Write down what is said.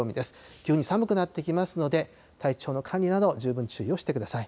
急に寒くなってきますので、体調の管理など十分注意をしてください。